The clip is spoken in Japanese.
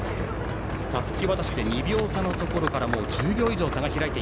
たすき渡しで２秒差のところからもう１０秒以上開いた。